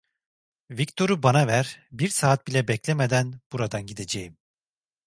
Viktor'u bana ver, bir saat bile beklemeden buradan gideceğim.